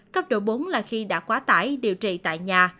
cấp độ bốn là khi đã quá tải điều trị tại nhà